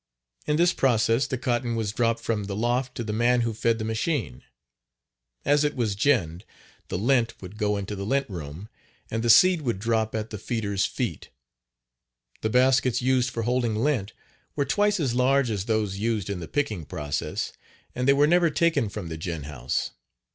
In this process the cotton was dropped from the loft to the man who fed the machine. As it was ginned the lint would go into the lint room, and the seed would drop at the feeder's feet. The baskets used for holding lint were twice as large as those used in the picking process, and they were never taken from the gin house.